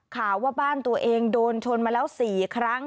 ข่าวว่าบ้านตัวเองโดนชนมาแล้ว๔ครั้ง